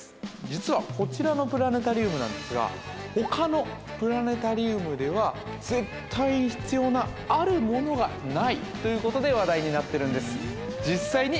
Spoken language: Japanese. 実はこちらのプラネタリウムなんですが他のプラネタリウムでは絶対に必要なあるものがないということで話題になってるんです